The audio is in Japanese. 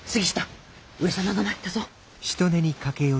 上様が参ったぞ！